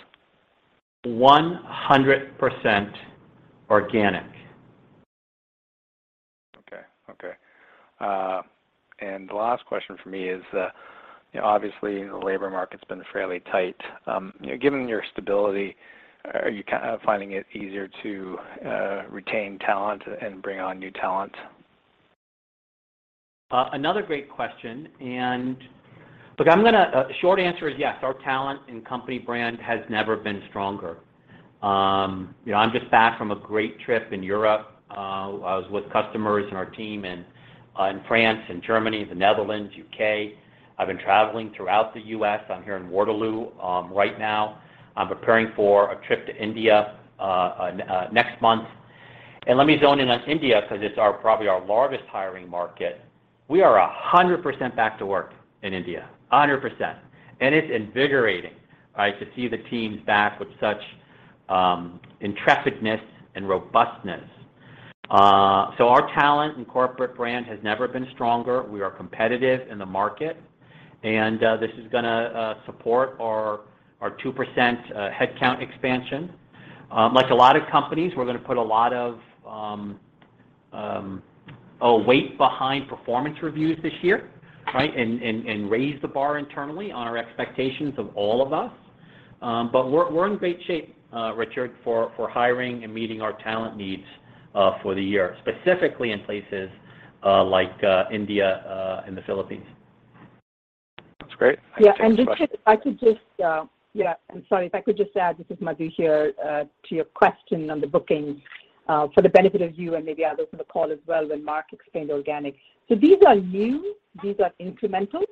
100% organic. Okay, the last question from me is, you know, obviously, the labor market's been fairly tight. You know, given your stability, are you kind of finding it easier to retain talent and bring on new talent? Another great question. Look, I'm gonna short answer is yes. Our talent and company brand has never been stronger. You know, I'm just back from a great trip in Europe. I was with customers and our team in France and Germany, the Netherlands, U.K. I've been traveling throughout the U.S. I'm here in Waterloo right now. I'm preparing for a trip to India next month. Let me zone in on India because it's probably our largest hiring market. We are 100% back to work in India, 100%. It's invigorating, right, to see the teams back with such intrepidness and robustness. Our talent and corporate brand has never been stronger. We are competitive in the market, and this is gonna support our 2% headcount expansion. Like a lot of companies, we're gonna put a lot of weight behind performance reviews this year, right, and raise the bar internally on our expectations of all of us. We're in great shape, Richard, for hiring and meeting our talent needs for the year, specifically in places like India and the Philippines. That's great. Thanks. Richard, if I could just add, this is Madhu here, to your question on the bookings, for the benefit of you and maybe others on the call as well when Mark explained organic. These are new, these are incremental,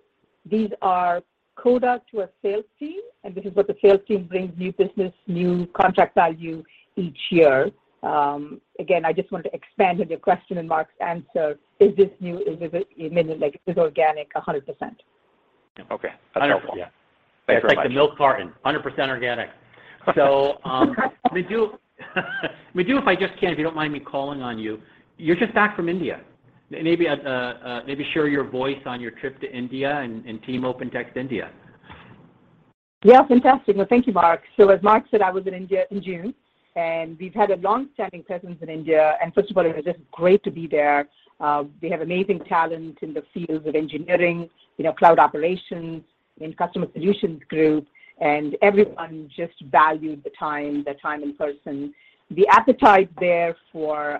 these are quota to a sales team, and this is what the sales team brings new business, new contract value each year. Again, I just wanted to expand on your question and Mark's answer. Is this new? Is it? You mentioned, like, is this organic 100%? Okay. That's helpful. 100%. Thanks very much. It's like the milk carton, 100% organic. Madhu, if I just can, if you don't mind me calling on you're just back from India. Maybe share your voice on your trip to India and Team OpenText India. Yeah. Fantastic. Well, thank you, Mark. So as Mark said, I was in India in June, and we've had a long-standing presence in India, and first of all, it was just great to be there. They have amazing talent in the fields of engineering, you know, cloud operations in customer solutions group, and everyone just valued the time in person. The appetite there for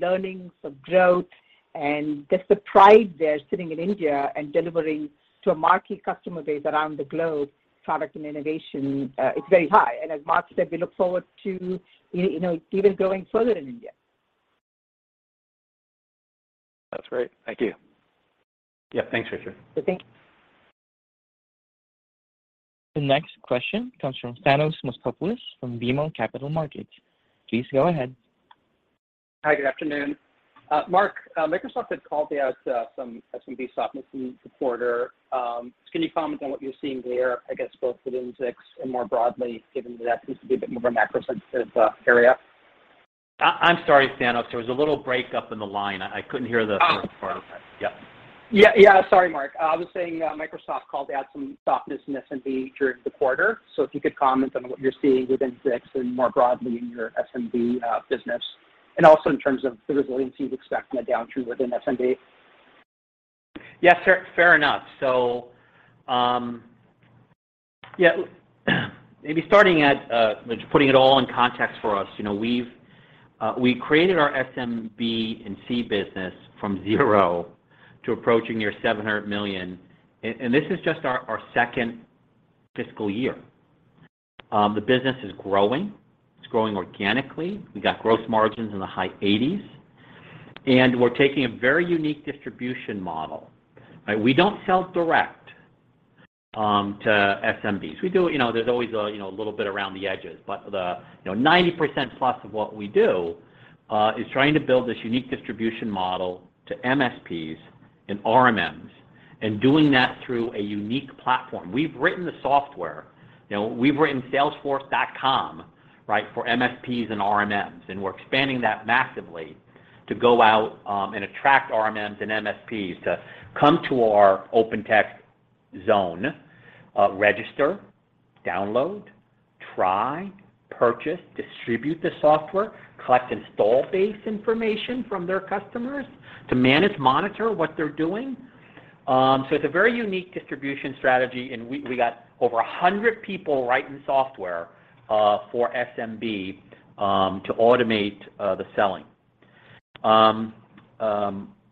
learning, for growth, and just the pride there sitting in India and delivering to a marquee customer base around the globe, product and innovation, it's very high. As Mark said, we look forward to, you know, even going further in India. That's great. Thank you. Yeah, thanks, Richard. Okay, thank you. The next question comes from Thanos Moschopoulos from BMO Capital Markets. Please go ahead. Hi, good afternoon. Mark, Microsoft had called out some of the softness in the quarter. Can you comment on what you're seeing there, I guess both within Zix and more broadly, given that seems to be a bit more of a macro-sensitive area? I'm sorry, Thanos, there was a little break up in the line. I couldn't hear the first part of that. Yeah. Yeah, yeah. Sorry, Mark. I was saying, Microsoft called out some softness in SMB during the quarter. If you could comment on what you're seeing within Zix and more broadly in your SMB business, and also in terms of the resiliency you'd expect from a downturn within SMB. Fair enough. Maybe starting at just putting it all in context for us. You know, we've created our SMB&C business from zero to approaching near $700 million, and this is just our second fiscal year. The business is growing. It's growing organically. We got growth margins in the high 80s%, and we're taking a very unique distribution model, right? We don't sell direct to SMBs. We do, you know, there's always a little bit around the edges, but you know 90% plus of what we do is trying to build this unique distribution model to MSPs and RMMs, and doing that through a unique platform. We've written the software. You know, we've written Salesforce.com, right, for MSPs and RMMs, and we're expanding that massively to go out and attract RMMs and MSPs to come to our OpenText zone, register, download, try, purchase, distribute the software, collect install base information from their customers to manage, monitor what they're doing. It's a very unique distribution strategy, and we got over a hundred people writing software for SMB to automate the selling.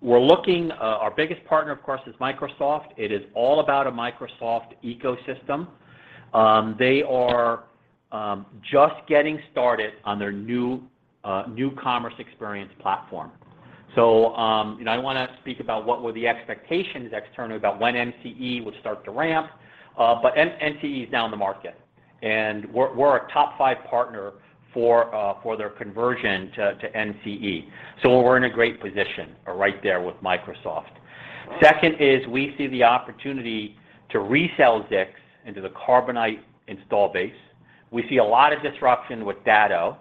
We're looking, our biggest partner, of course, is Microsoft. It is all about a Microsoft ecosystem. They are just getting started on their New Commerce Experience platform. You know, I don't want to speak about what were the expectations externally about when NCE would start to ramp, but NCE is now in the market, and we're a top five partner for their conversion to NCE. We're in a great position right there with Microsoft. Second is we see the opportunity to resell Zix into the Carbonite install base. We see a lot of disruption with Datto.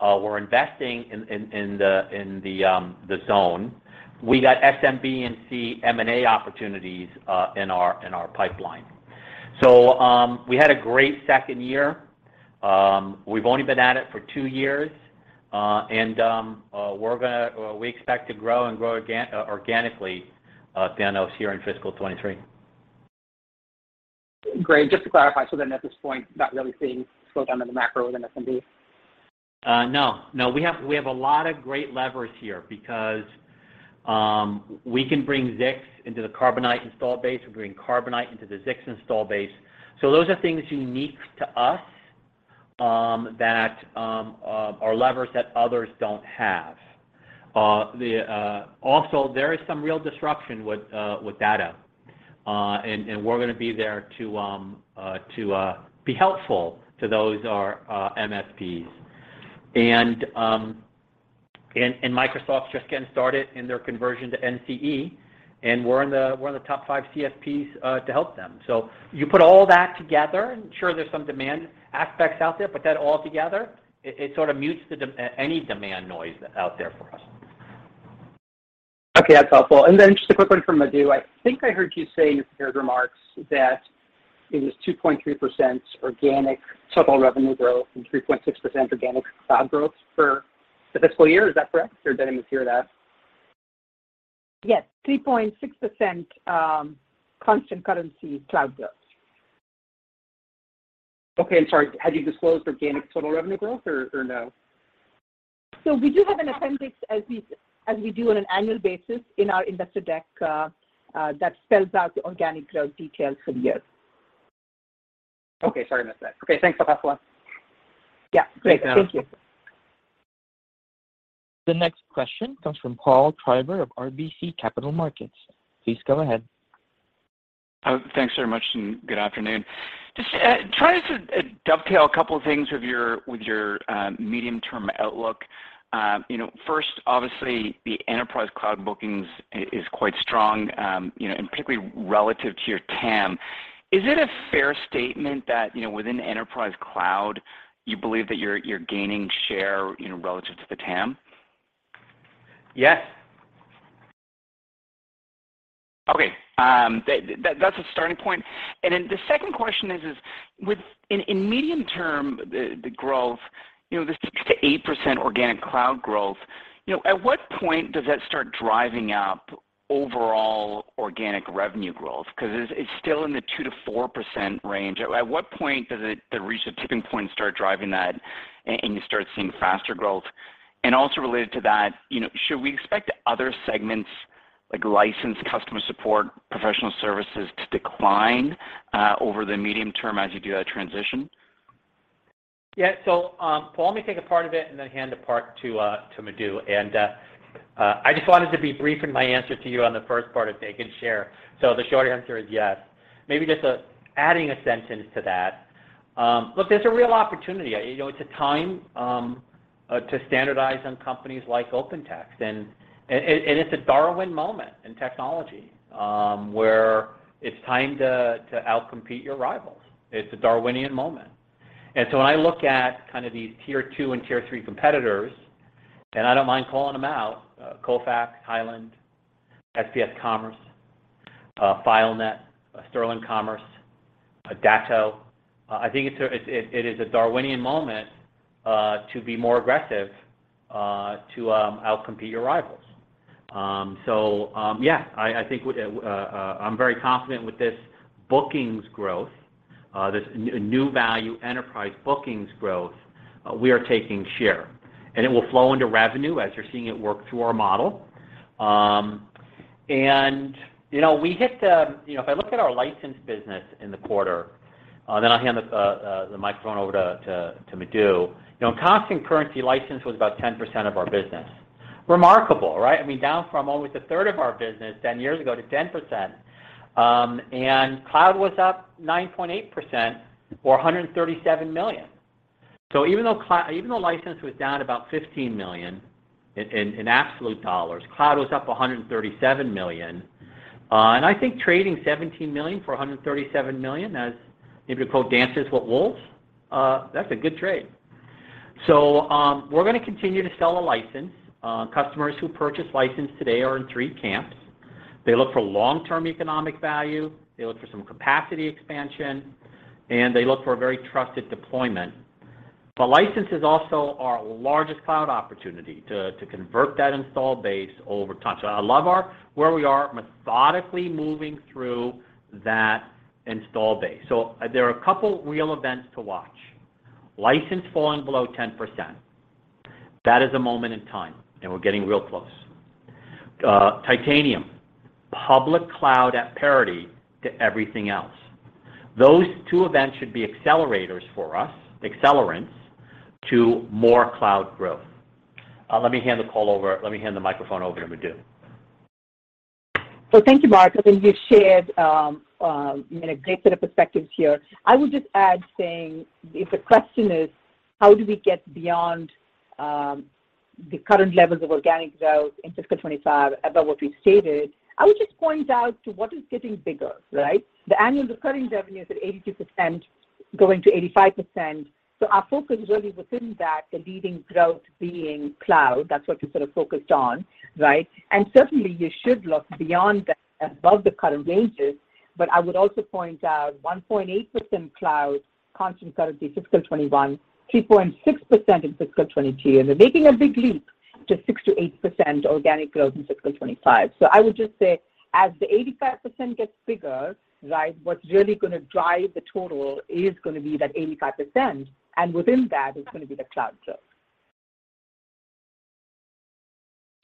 We're investing in the zone. We got SMB&C M&A opportunities in our pipeline. We had a great second year. We've only been at it for two years, and we expect to grow and grow organically, Thanos, here in fiscal 2023. Great. Just to clarify, at this point, not really seeing slowdown in the macro with SMB? No, we have a lot of great levers here because we can bring Zix into the Carbonite install base. We bring Carbonite into the Zix install base. Those are things unique to us that are levers that others don't have. Also, there is some real disruption with Datto, and we're gonna be there to be helpful to those MSPs. Microsoft's just getting started in their conversion to NCE, and we're in the top five CSPs to help them. You put all that together, and sure, there's some demand aspects out there, but that all together, it sort of mutes any demand noise out there for us. Okay, that's helpful. Then just a quick one from Madhu. I think I heard you say in your prepared remarks that it was 2.3% organic total revenue growth and 3.6% organic cloud growth for the fiscal year. Is that correct? Or did I mishear that? Yes, 3.6%, constant currency cloud growth. Okay. Sorry, had you disclosed organic total revenue growth or no? We do have an appendix as we do on an annual basis in our investor deck that spells out the organic cloud details for the year. Okay. Sorry, I missed that. Okay, thanks. I'll pass along. Yeah. Great. Thank you. The next question comes from Paul Treiber of RBC Capital Markets. Please go ahead. Oh, thanks very much, and good afternoon. Just trying to dovetail a couple of things with your medium-term outlook. You know, first, obviously, the enterprise cloud bookings is quite strong, you know, and particularly relative to your TAM. Is it a fair statement that, you know, within enterprise cloud, you believe that you're gaining share, you know, relative to the TAM? Yes. That's a starting point. Then the second question is, in medium term, the growth, you know, the 6%-8% organic cloud growth, you know, at what point does that start driving up overall organic revenue growth? Because it's still in the 2%-4% range. At what point does it reach the tipping point and start driving that, and you start seeing faster growth? Also related to that, you know, should we expect other segments like license, customer support, professional services, to decline over the medium term as you do that transition? Yeah. Paul, let me take a part of it and then hand a part to Madhu. I just wanted to be brief in my answer to you on the first part of TAM and share. The short answer is yes. Maybe just adding a sentence to that. Look, there's a real opportunity. You know, it's a time to standardize on companies like OpenText. It's a Darwin moment in technology, where it's time to outcompete your rivals. It's a Darwinian moment. When I look at kind of these tier two and tier three competitors, and I don't mind calling them out, Kofax, Hyland, SPS Commerce, FileNet, Sterling Commerce, Datto, I think it is a Darwinian moment to be more aggressive, to outcompete your rivals. I think I'm very confident with this bookings growth, this new value enterprise bookings growth, we are taking share. It will flow into revenue as you're seeing it work through our model. If I look at our license business in the quarter, then I'll hand the microphone over to Madhu. Constant currency license was about 10% of our business. Remarkable, right? I mean, down from almost a third of our business ten years ago to 10%. Cloud was up 9.8% or $137 million. Even though license was down about $15 million in absolute dollars, cloud was up $137 million. I think trading $17 million for $137 million, as if you quote Dances with Wolves, that's a good trade. We're gonna continue to sell a license. Customers who purchase license today are in three camps. They look for long-term economic value, they look for some capacity expansion, and they look for a very trusted deployment. License is also our largest cloud opportunity to convert that installed base over time. I love where we are methodically moving through that installed base. There are a couple real events to watch. License falling below 10%. That is a moment in time, and we're getting real close. Titanium, public cloud at parity to everything else. Those two events should be accelerators for us, accelerants to more cloud growth. Let me hand the microphone over to Madhu. Thank you, Mark. I think you've shared a great set of perspectives here. I would just add saying if the question is, how do we get beyond the current levels of organic growth in fiscal 2025 above what we've stated, I would just point out to what is getting bigger, right? The annual recurring revenue is at 82%, going to 85%. Our focus really within that, the leading growth being cloud, that's what you're sort of focused on, right? Certainly, you should look beyond that, above the current ranges. I would also point out 1.8% cloud constant currency, fiscal 2021, 3.6% in fiscal 2022, and we're making a big leap to 6%-8% organic growth in fiscal 2025. I would just say, as the 85% gets bigger, right, what's really gonna drive the total is gonna be that 85%, and within that is gonna be the cloud growth.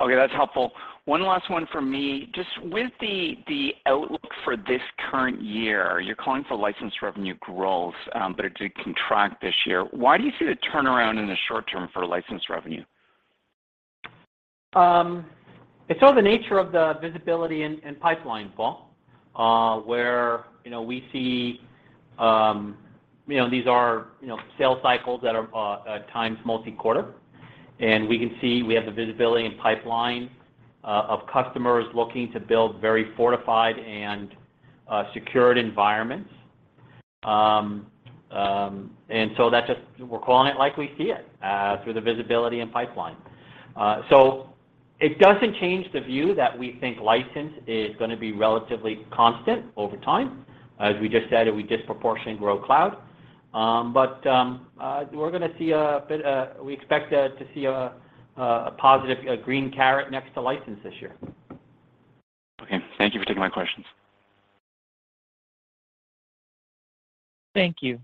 Okay, that's helpful. One last one from me. Just with the outlook for this current year, you're calling for license revenue growth, but it did contract this year. Why do you see the turnaround in the short term for license revenue? It's all the nature of the visibility and pipeline, Paul, where you know we see you know these are you know sales cycles that are at times multi-quarter. We can see we have the visibility and pipeline of customers looking to build very fortified and secured environments. That's just. We're calling it like we see it through the visibility and pipeline. It doesn't change the view that we think license is gonna be relatively constant over time. As we just said, we disproportionately grow cloud. We're gonna see a bit. We expect to see a positive, a green arrow next to license this year. Okay. Thank you for taking my questions. Thank you.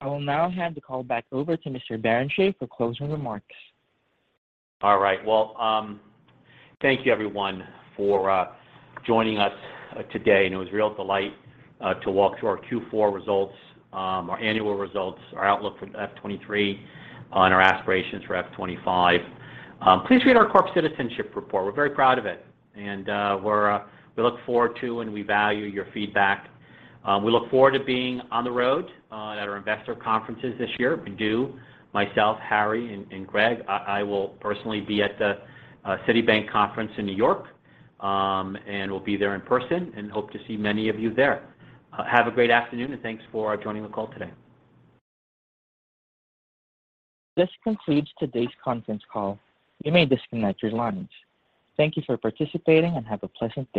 I will now hand the call back over to Mr. Barrenechea for closing remarks. All right. Well, thank you everyone for joining us today, and it was a real delight to walk through our Q4 results, our annual results, our outlook for F23, and our aspirations for F25. Please read our Corporate Citizenship Report. We're very proud of it. We look forward to and we value your feedback. We look forward to being on the road at our investor conferences this year. We do, myself, Harry and Greg. I will personally be at the Citi conference in New York, and we'll be there in person and hope to see many of you there. Have a great afternoon, and thanks for joining the call today. This concludes today's conference call. You may disconnect your lines. Thank you for participating, and have a pleasant day.